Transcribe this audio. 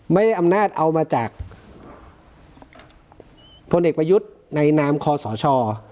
ไม่ได้อำนาจเอามาจากพลเอกประยุทธ์ในนามคอสช